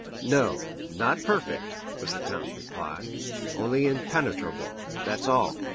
"No, not perfect," was the count's reply; "only impenetrable, that's all.